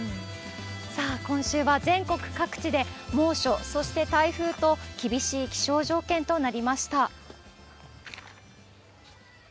さあ、今週は全国各地で猛暑、そして台風と、厳しい気象条件となりました。